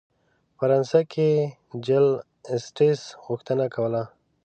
په فرانسه کې جل اسټټس غوښتنه کوله.